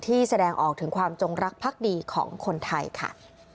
แสดงออกถึงความจงรักพักดีของคนไทยค่ะ